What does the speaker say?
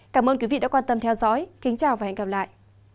cảm ơn quý vị đã quan tâm theo dõi kính chào và hẹn gặp lại